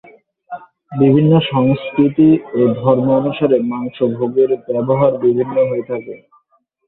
বিভিন্ন সংস্কৃতি এবং ধর্ম অনুসারে মাংস ভোগের ব্যবহার বিভিন্ন হয়ে থাকে।